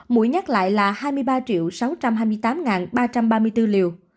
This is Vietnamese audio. mũi nhắc lại là hai mươi ba sáu trăm hai mươi tám ba trăm ba mươi bốn liều